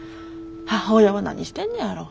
母親は何してんのやろ。